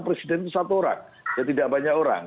presiden itu satu orang ya tidak banyak orang